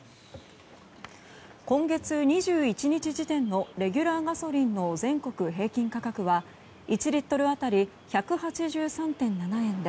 今月２１日時点のレギュラーガソリンの全国平均価格は１リットル当たり１８３．７円で